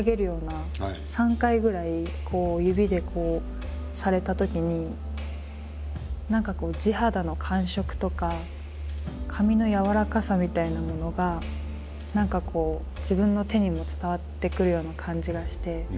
３回ぐらい指でこうされたときに何かこう地肌の感触とか髪の柔らかさみたいなものが何かこう自分の手にも伝わってくるような感じがして。